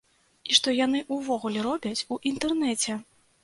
І што яны ўвогуле робяць у інтэрнэце?